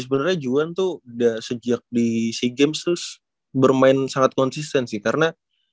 sebenarnya juan tuh udah sejak di sea games tuh bermain sangat konsisten sih karena